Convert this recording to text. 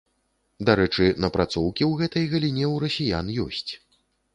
Дарэчы, напрацоўкі ў гэтай галіне ў расіян ёсць.